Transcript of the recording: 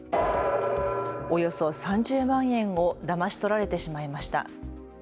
およそ３０万円をだまし取られてしまいました。